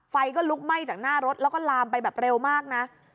ไฟก็ลุกไหม้จากหน้ารถแล้วก็ลามไปแบบเร็วมากนะ